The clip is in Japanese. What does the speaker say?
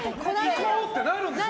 行こうってなるんです